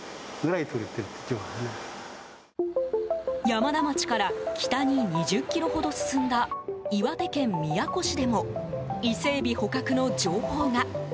山田町から北に２０ｋｍほど進んだ岩手県宮古市でもイセエビ捕獲の情報が。